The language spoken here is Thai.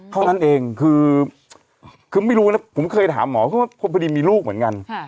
เท่านั้นเองคือไม่รู้นะผมเคยถามหมอพอดีมีลูกเหมือนกัน